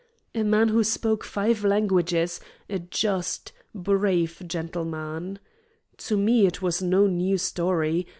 A man who spoke five languages, a just, brave gentleman. To me it was no new story.